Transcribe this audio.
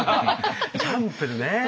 チャンプルーね。